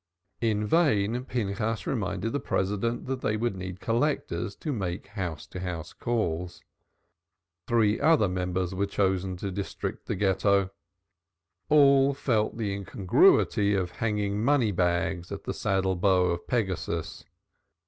In vain Pinchas reminded the President they would need Collectors to make house to house calls; three other members were chosen to trisect the Ghetto. All felt the incongruity of hanging money bags at the saddle bow of Pegasus.